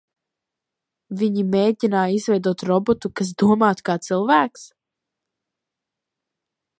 Viņi mēģināja izveidot robotu, kas domātu kā cilvēks?